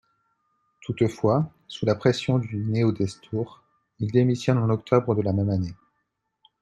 Toutefois, sous la pression du Néo-Destour, il démissionne en octobre de la même année.